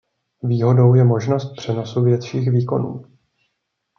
Výhodou je možnost přenosu větších výkonů.